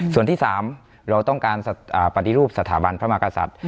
ส่วนที่๓เราต้องการปฏิรูปสถาบันพระมากษัตริย์